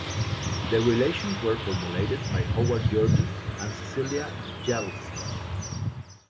The relations were formulated by Howard Georgi and Cecilia Jarlskog.